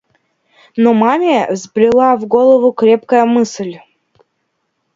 Но маме взбрела в голову крепкая мысль.